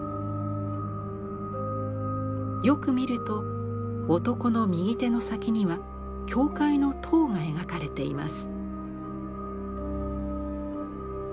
よく見ると男の右手の先には教会の塔が描かれています。